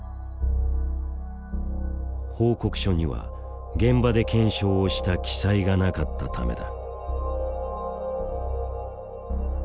報告書には現場で検証をした記載がなかったためだ。